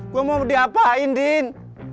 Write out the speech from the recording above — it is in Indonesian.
gua mau diapain udin